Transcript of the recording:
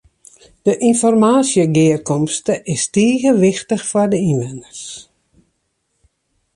De ynformaasjegearkomste is tige wichtich foar de ynwenners.